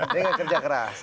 dengan kerja keras